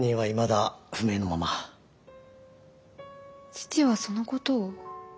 父はそのことを？